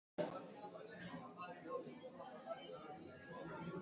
Walivamia balozi mbili za kidiplomasia